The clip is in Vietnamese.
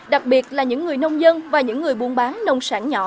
đặc biệt là những người nông dân và những người buôn bán nông sản nhỏ